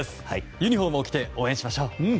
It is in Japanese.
ユニホームを着て応援しましょう。